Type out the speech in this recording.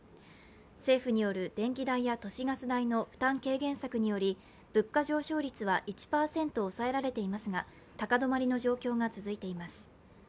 政府による電気代や都市ガス代の負担軽減策により物価上昇率は１％抑えられていますが高止まりの状況が続いています。